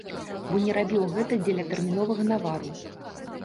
Бо не рабіў гэта дзеля тэрміновага навару.